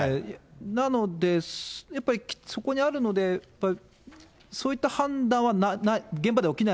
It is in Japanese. なので、やっぱり、そこにあるので、そういった判断は現場では起きない。